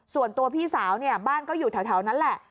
ส่วนตัวพี่สาวเนี่ยบ้านก็อยู่แถวนั้นแหละ